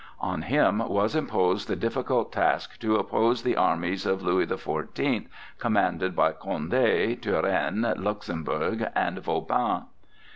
On him was imposed the difficult task to oppose the armies of Louis the Fourteenth, commanded by Condé, Turenne, Luxembourg and Vauban.